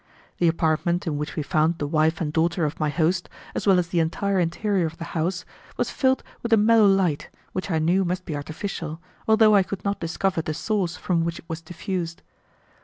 The apartment in which we found the wife and daughter of my host, as well as the entire interior of the house, was filled with a mellow light, which I knew must be artificial, although I could not discover the source from which it was diffused.